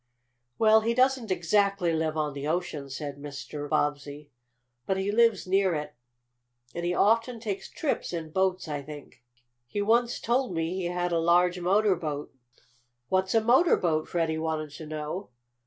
"Well, he doesn't exactly live on the ocean," said Mr. Bobbsey. "But he lives near it, and he often takes trips in boats, I think. He once told me he had a large motor boat." "What's a motor boat?" Freddie wanted to know.